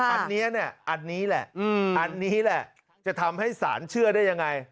อันนี้แหละจะทำให้สารเชื่อได้ยังไง